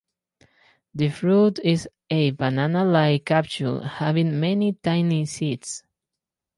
The fruit is a banana-like capsule having many tiny seeds.